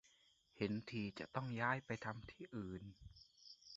เห็นทีจะต้องย้ายไปทำที่อื่น